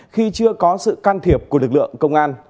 khi chưa có sự can thiệp của lực lượng công an